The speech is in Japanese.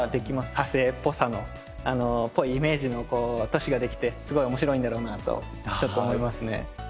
火星っぽさのっぽいイメージの都市ができてすごい面白いんだろうなとちょっと思いますね。